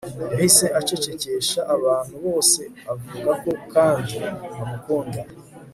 yahise acecekesha abantu bose avuga ko kandi amukunda